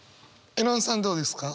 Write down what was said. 絵音さんどうですか？